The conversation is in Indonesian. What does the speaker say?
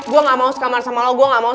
gue gak mau sekamar sama lo